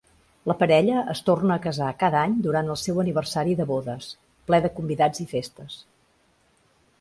La parella es torna a casar cada any durant el seu aniversari de bodes, ple de convidats i festes.